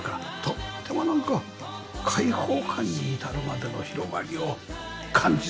とってもなんか開放感に至るまでの広がりを感じさせますよね。